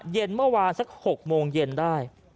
เย็นเมื่อวานสัก๖โมงเย็นได้